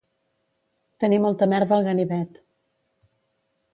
Tenir molta merda al ganivet